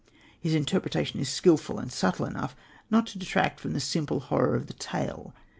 His interpretation is skilful and subtle enough not to detract from the simple horror of the tale.